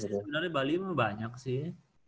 sebenernya bali emang banyak sih